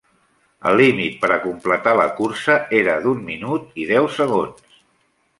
El límit per a completar la cursa era d'un minut i deu segons.